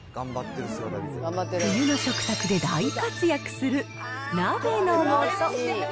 冬の食卓で大活躍する鍋のもと。